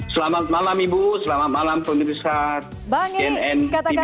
selamat malam ibu selamat malam pemirsa jnn tv indonesia